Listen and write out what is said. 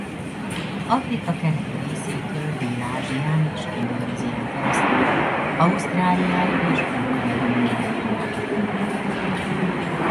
Afrika keleti részétől Dél-Ázsián és Indonézián keresztül Ausztráliáig és Új-Kaledóniáig található meg.